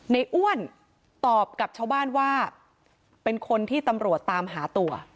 อ้วนตอบกับชาวบ้านว่าเป็นคนที่ตำรวจตามหาตัว